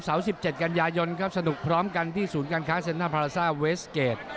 ๑๗กันยายนครับสนุกพร้อมกันที่ศูนย์การค้าเซ็นนาพาราซ่าเวสเกจ